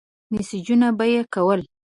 مسېجونه به يې کول.